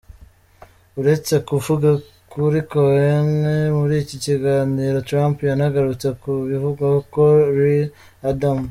Uretse kuvuga kuri Cohen, muri iki kiganiro Trump yanagarutse ku bivugwa ko Rear Adm.